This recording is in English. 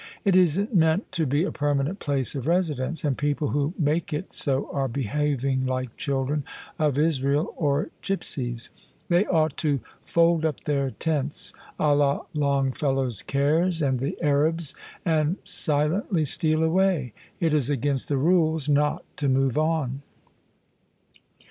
It isn't meant to be a permanent place of residence: and people who make it so are behaving like Children of Israel or gipsies. They ought to ' fold up their tents ^;ila Longfellow's cares and the Arabs, and ' silently steal away ': it is against the rules not to move on."